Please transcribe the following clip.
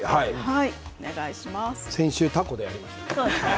はい、先週たこでやりました。